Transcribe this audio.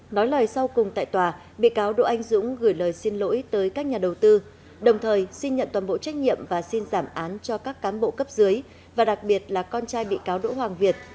nói lời sau cùng tại tòa bị cáo đỗ anh dũng gửi lời xin lỗi tới các nhà đầu tư đồng thời xin nhận toàn bộ trách nhiệm và xin giảm án cho các cán bộ cấp dưới và đặc biệt là con trai bị cáo đỗ hoàng việt